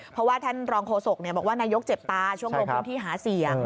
เพราะว่าท่านรองโฆษกบอกว่านายกเจ็บตาช่วงลงพื้นที่หาเสียง